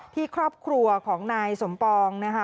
ที่ครอบครัวของนายสมปองนะคะ